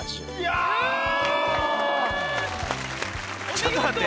ちょっと待って。